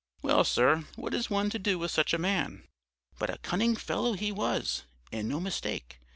Well, sir, what is one to do with such a man? "But a cunning fellow he was, and no mistake.